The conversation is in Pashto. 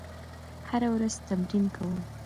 هره ورځ تمرین کوم.